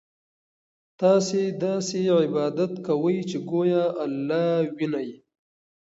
تاسو داسې عبادت کوئ چې ګویا الله وینئ.